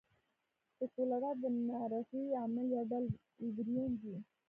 د کولرا د نارغۍ عامل یو ډول ویبریون دی.